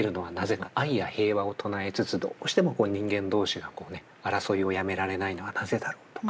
愛や平和を唱えつつどうしても人間同士が争いをやめられないのはなぜだろうとか。